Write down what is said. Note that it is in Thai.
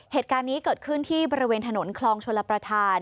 เหตุการณ์นี้เกิดขึ้นที่บริเวณถนนคลองชลประธาน